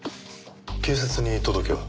警察に届けは？